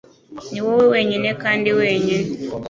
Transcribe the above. Ni wowe wenyine kandi wenyine.